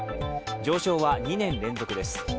上昇は２年連続です。